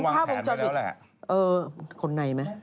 มันต้องเห็นกล้องปิดเออคนไหนไหม